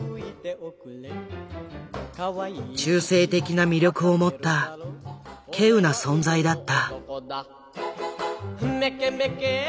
中性的な魅力を持った希有な存在だった。